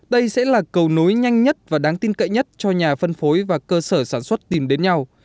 đây sẽ là cầu nối nhanh nhất và đáng tin cậy nhất cho nhà phân phối và cơ sở sản xuất tìm đến nhau